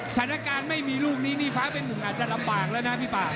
สถานการณ์ไม่มีลูกนี้นี่ฟ้าเป็นหนึ่งอาจจะลำบากแล้วนะพี่ป่า